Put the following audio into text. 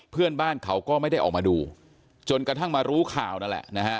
เพื่อนบ้านเขาก็ไม่ได้ออกมาดูจนกระทั่งมารู้ข่าวนั่นแหละนะฮะ